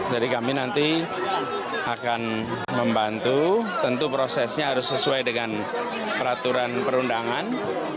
jadi kami nanti akan membantu tentu prosesnya harus sesuai dengan peraturan perundangan